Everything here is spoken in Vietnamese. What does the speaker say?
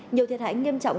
nhiều thiệt hãi nghiêm trọng